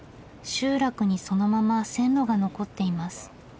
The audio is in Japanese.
集落にそのまま線路が残っています。